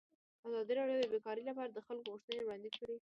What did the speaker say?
ازادي راډیو د بیکاري لپاره د خلکو غوښتنې وړاندې کړي.